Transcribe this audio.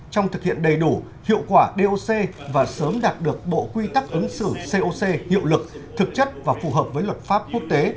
trong thực hiện đầy đủ hiệu quả doc và sớm đạt được bộ quy tắc ứng xử coc hiệu lực thực chất và phù hợp với luật pháp quốc tế